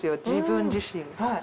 自分自身。